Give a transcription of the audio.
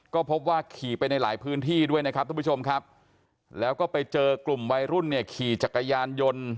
ก็พบว่าขี่ไปในหลายพื้นที่ด้วยนะครับทุกผู้ชมครับแล้วก็ไปเจอกลุ่มวัยรุ่นเนี่ยขี่จักรยานยนต์